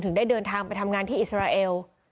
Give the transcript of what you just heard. ได้เดินทางไปทำงานที่อิสราเอล